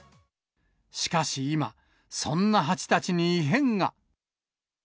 しかし今、そんなハチたちに異変が。